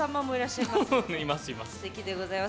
すてきでございます。